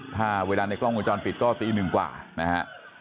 ถ้าเวลาในกล้องวงจรปิดก็ตีหนึ่งกว่านะฮะ